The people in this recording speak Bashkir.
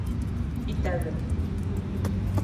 — Итәбеҙ.